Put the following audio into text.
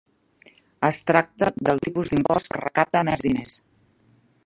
Es tracta del tipus d'impost que recapta més diners.